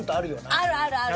あるあるある。